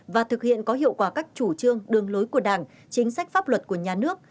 và thực hiện có hiệu quả các chủ trương đường lối của đảng chính sách pháp luật của nhà nước